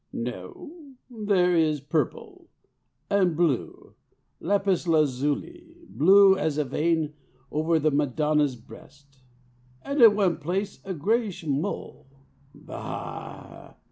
"No, there is purple, and blue, 'lapis lazuli, blue as a vein over the Madonna's breast,' and in one place a greyish mole. Bah!